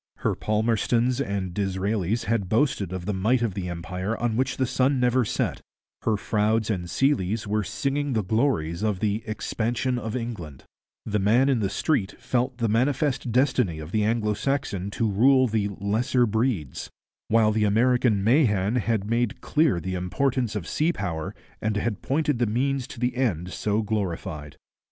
Her Palmerstons and Disraelis had boasted of the might of the empire on which the sun never set; her Froudes and Seeleys were singing the glories of the 'expansion of England'; the man in the street felt the manifest destiny of the Anglo Saxon to rule the 'lesser breeds'; while the American Mahan had made clear the importance of sea power and had pointed the means to the end so glorified.